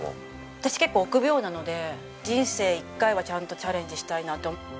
私結構臆病なので人生１回はちゃんとチャレンジしたいなと。